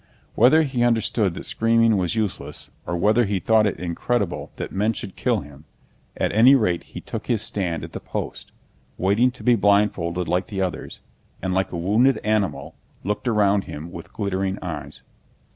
Whether he understood that screaming was useless or whether he thought it incredible that men should kill him, at any rate he took his stand at the post, waiting to be blindfolded like the others, and like a wounded animal looked around him with glittering eyes.